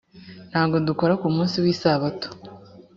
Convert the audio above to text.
ntago dukora kumunsi w’isabato